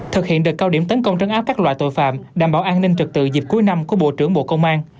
thực hiện đợt cao điểm tấn công trấn áp các loại tội phạm đảm bảo an ninh trực tự dịp cuối năm của bộ trưởng bộ công an